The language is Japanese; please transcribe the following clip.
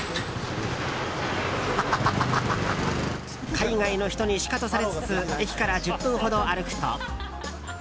海外の人にシカトされつつ駅から１０分ほど歩くと。